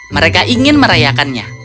mereka ingin merayakannya